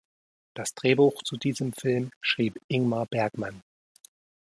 Das Drehbuch zu diesem Film schrieb Ingmar Bergman.